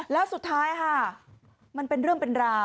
แล้วสุดท้ายค่ะมันเป็นเรื่องเป็นราว